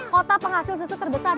kotak penghasil susu terbesar